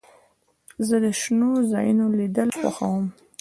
زه د شنو ځایونو لیدل خوښوم.